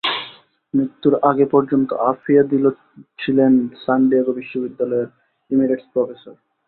মৃত্যুর আগে পর্যন্ত আফিয়া দিল ছিলেন সান ডিয়েগো বিশ্ববিদ্যালয়ের ইমেরিটাস প্রফেসর।